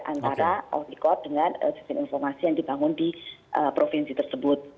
antara out record dengan sistem informasi yang dibangun di provinsi tersebut